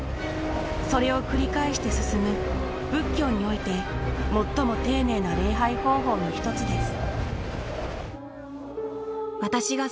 それを繰り返して進む仏教において最も丁寧な礼拝方法の１つです。